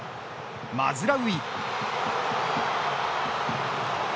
マズラウイ！